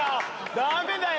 ダメだよ